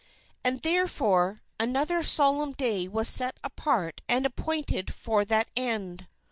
"And therefore another Solemn Day was set apart and appointed for that end.